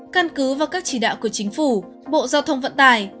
căn cứ vào các chỉ đạo của chính phủ bộ giao thông vận tải